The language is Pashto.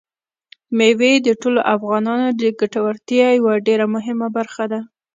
مېوې د ټولو افغانانو د ګټورتیا یوه ډېره مهمه برخه ده.